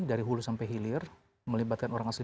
dari hulu sampai hilir melibatkan orang asli